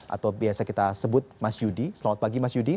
atau biasa kita sebut mas yudi selamat pagi mas yudi